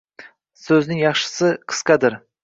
Soʻzning yaxshisi – qisqadir